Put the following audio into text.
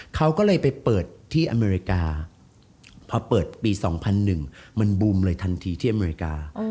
เขาก็เลยไปเปิดที่อเมริกาพอเปิดปี๒๐๐๑มันบูมเลยทันทีที่อเมริกา